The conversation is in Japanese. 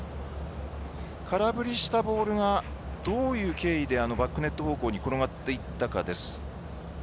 空振りしたボールがどういう経緯であのバックネット方向に転がっていったかです。